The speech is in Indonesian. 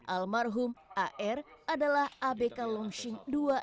almarhum ar adalah abk longsing dua ratus enam puluh sembilan